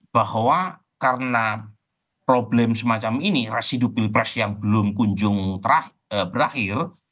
bahwa karena problem semacam ini residu pilpres yang belum kunjung berakhir